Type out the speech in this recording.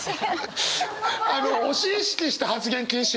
推し意識した発言禁止！